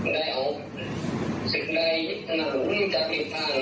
ได้ของสิทธิ์ใดหนาหุ้มจากลิฟทาง